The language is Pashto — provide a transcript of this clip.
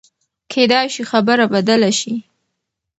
کېدای شي خبره بدله شي.